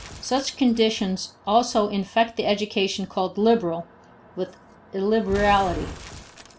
Such conditions also infect the education called liberal, with illiberality.